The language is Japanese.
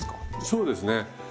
そうですね。